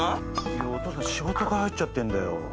お父さん仕事が入っちゃってんだよ。